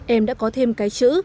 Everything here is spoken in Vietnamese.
em đã có thêm cái chữ